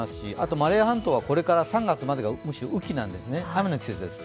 マレー半島はこれから３月までが、むしろ雨期、雨の季節なんです。